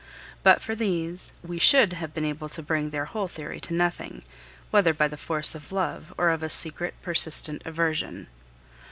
But for these, we should have been able to bring their whole theory to nothing, whether by the force of love or of a secret, persistent aversion.